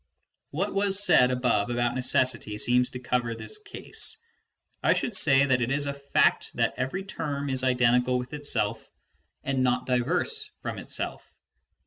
"What was said above about necessity seems to cover this case : I should say that it is a fact that every term is identical with itself and not diverse from itself.